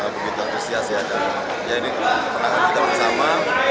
begitu antusias ya dan ya ini terangan kita bersama